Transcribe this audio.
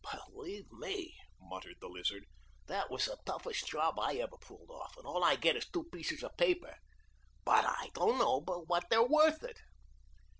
"Believe me," muttered the Lizard, "that was the toughest job I ever pulled off and all I gets is two pieces of paper, but I don't know but what they're worth it."